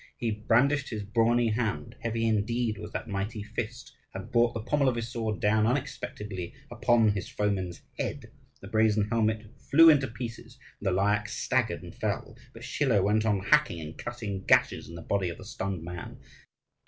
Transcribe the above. He brandished his brawny hand, heavy indeed was that mighty fist, and brought the pommel of his sword down unexpectedly upon his foeman's head. The brazen helmet flew into pieces and the Lyakh staggered and fell; but Schilo went on hacking and cutting gashes in the body of the stunned man.